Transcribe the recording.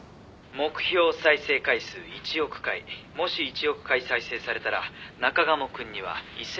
「目標再生回数１億回」「もし１億回再生されたら中鴨くんには１０００万円入ります」